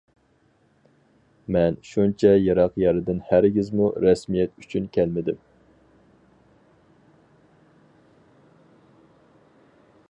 مەن شۇنچە يىراق يەردىن ھەرگىزمۇ رەسمىيەت ئۈچۈن كەلمىدىم.